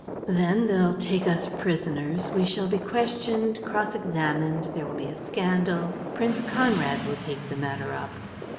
"Then they'll take us prisoners. We shall be questioned, cross examined; there will be a scandal. Prince Conrad will take the matter up."